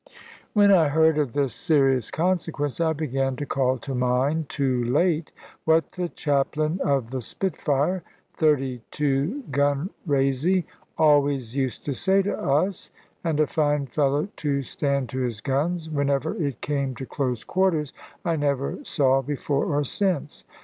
When I heard of this serious consequence, I began to call to mind, too late, what the chaplain of the Spitfire 32 gun razy always used to say to us; and a finer fellow to stand to his guns, whenever it came to close quarters, I never saw before or since.